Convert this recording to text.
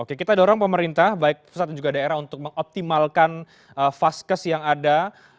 oke kita dorong pemerintah baik pusat dan juga daerah untuk mengoptimalkan vaskes yang ada